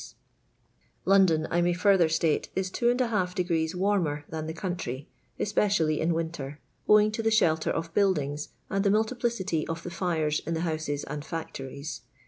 S 3 London, I may further state, is 2] de^rrees warmer than the country, especially in wi7it»'r. owinc to the shelter of buildintjs and the nuilli pliciiy of the tires in the houses and factories.